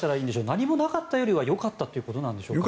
何もなかったよりはよかったということでしょうか。